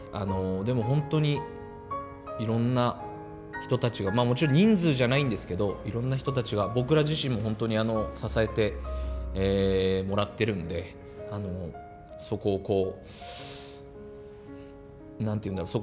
でも本当にいろんな人たちがもちろん人数じゃないんですけどいろんな人たちが僕ら自身も本当に支えてもらってるんでそこをこう何て言うんだろう